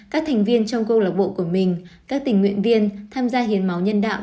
các thành viên trong câu lạc bộ của mình các tình nguyện viên tham gia hiến máu nhân đạo